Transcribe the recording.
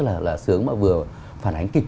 rất là sướng mà vừa phản ánh kịp